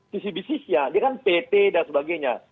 sisi bisnisnya dia kan pt dan sebagainya